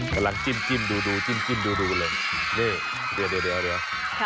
กำลังจิ้มจิ้มดูดูจิ้มจิ้มดูดูเลยเนี่ยเดี๋ยวเดี๋ยวเดี๋ยวเดี๋ยว